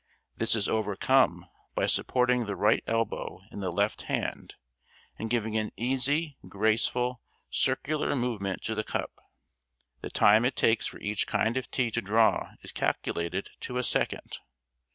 This is overcome by supporting the right elbow in the left hand and giving an easy, graceful, circular movement to the cup. The time it takes for each kind of tea to draw is calculated to a second.